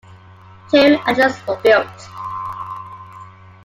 Two "Atlant"s were built.